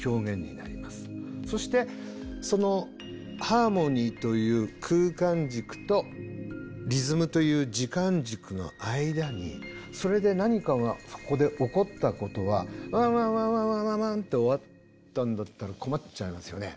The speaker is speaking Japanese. そしてそのハーモニーという空間軸とリズムという時間軸の間にそれで何かがそこで起こったことは「ワンワンワンワンワン」と終わったんだったら困っちゃいますよね。